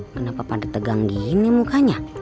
kenapa pada tegang gini mukanya